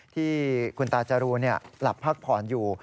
ที่คุณตาจรูนหลับพักผ่อนอยู่